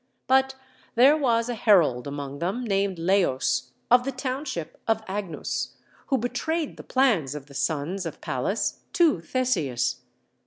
But there was a herald among them named Leos, of the township of Agnus, who betrayed the plans of the sons of Pallas to Theseus.